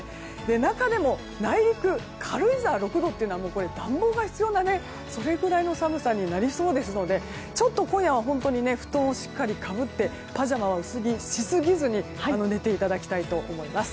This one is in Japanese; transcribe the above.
中でも、内陸軽井沢、６度というのはもう暖房が必要なぐらいの寒さになりそうですのでちょっと今夜は本当に布団をしっかりかぶってパジャマは薄着しすぎずに寝ていただきたいと思います。